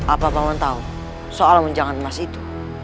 apa paham tau soal menjangan emas itu